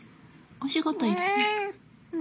お仕事行って。